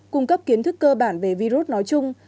cung cấp kiến thức cơ bản về virus nói chung